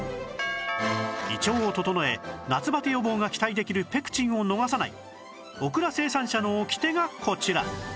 胃腸を整え夏バテ予防が期待できるペクチンを逃さないオクラ生産者のオキテがこちら